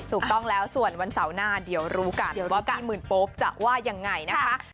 ถูกต้องแล้วส่วนวันเสาร์หน้าเดี๋ยวรู้กันว่าพี่หมื่นโป๊ปจะว่ายังไงนะคะ